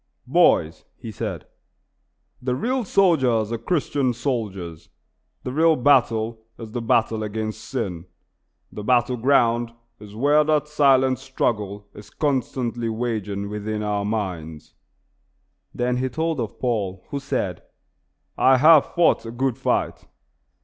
"Boys," he said, "the real soldiers are the Christian soldiers; the real battle is the battle against sin; the real battle ground is where that silent struggle is constantly waging within our minds." Then he told of Paul, who said, "I have fought a good fight."